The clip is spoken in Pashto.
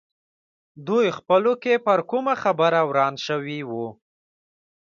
دوی خپلو کې پر کومه خبره وران شوي وو.